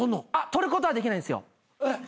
取ることはできないんですよ。